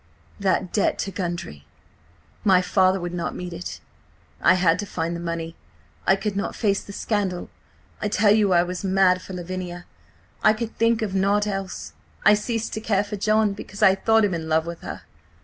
"That debt to Gundry. My father would not meet it; I had to find the money. I could not face the scandal–I tell you I was mad for Lavinia! I could think of nought else. I ceased to care for John because I thought him in love with her.